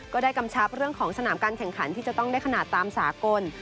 กำชับเรื่องของสนามการแข่งขันที่จะต้องได้ขนาดตามสากล